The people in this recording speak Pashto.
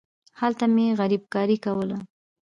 هلته مې غريبکاري کوله.